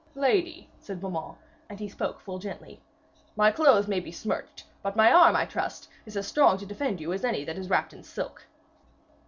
'Lady,' said Beaumains, and he spoke full gently, 'my clothes may be smirched, but my arm, I trust, is as strong to defend you as any that is wrapped in silk.'